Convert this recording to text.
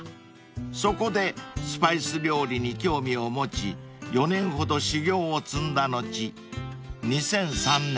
［そこでスパイス料理に興味を持ち４年ほど修業を積んだ後２００３年